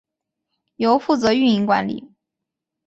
由负责运营管理。